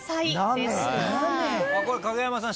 これ影山さん